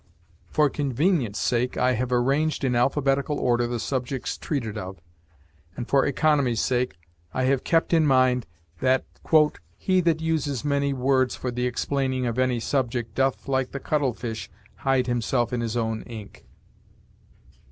For convenience' sake I have arranged in alphabetical order the subjects treated of, and for economy's sake I have kept in mind that "he that uses many words for the explaining of any subject doth, like the cuttle fish, hide himself in his own ink."